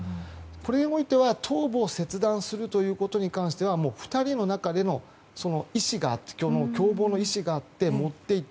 これにおいては頭部を切断することに関しては２人の中での共謀の意思があって持って行った。